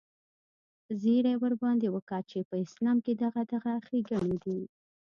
زيرى ورباندې وکه چې په اسلام کښې دغه دغه ښېګڼې دي.